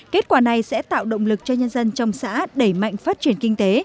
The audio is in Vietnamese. kết quả này sẽ tạo động lực cho nhân dân trong xã đẩy mạnh phát triển kinh tế